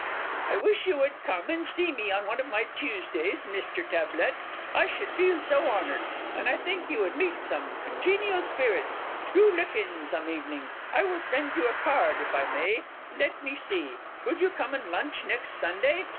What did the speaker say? _) I wish you would come and see me on one of my Tuesdays, MR. TABLETT, I should feel so honoured, and I think you would meet some congenial spirits do look in some evening I will send you a card if I may let me see could you come and lunch next Sunday?